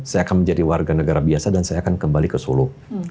saya akan menjadi warga negara biasa dan saya akan kembali ke solo